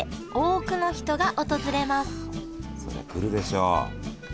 そりゃ来るでしょ。